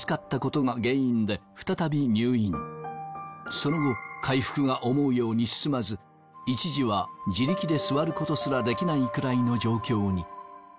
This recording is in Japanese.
その後回復が思うように進まず一時は自力で座る事すらできないくらいの状況に。